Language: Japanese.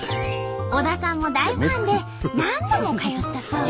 小田さんも大ファンで何度も通ったそう。